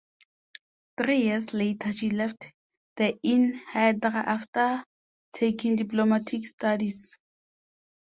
Three years later she left the in Hydra after taking Diplomatic Studies.